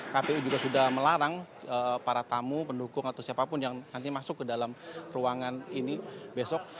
kpu juga sudah melarang para tamu pendukung atau siapapun yang nanti masuk ke dalam ruangan ini besok